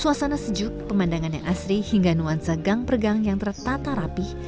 suasana sejuk pemandangan yang asri hingga nuansa gang pergang yang tertata rapih